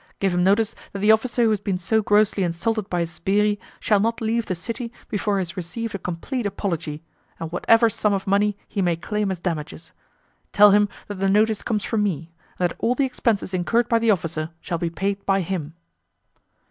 Give him notice that the officer who has been so grossly insulted by his 'sbirri' shall not leave the city before he has received a complete apology, and whatever sum of money he may claim as damages. Tell him that the notice comes from me, and that all the expenses incurred by the officer shall be paid by him."